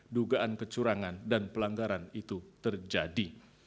dugaan kecurangan dan pelanggaran itu terjadi